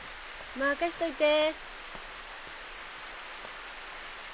任せといて。